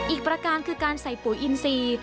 ประการคือการใส่ปุ๋ยอินซี